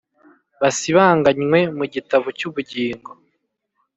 Basibanganywe mu gitabo cy ubugingo